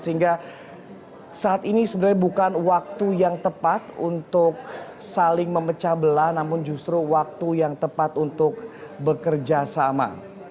sehingga saat ini sebenarnya bukan waktu yang tepat untuk saling memecah belah namun justru waktu yang tepat untuk bekerja sama